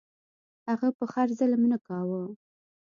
هغه په خر ظلم نه کاوه.